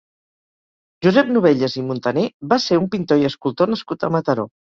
Josep Novellas i Montaner va ser un pintor i escultor nascut a Mataró.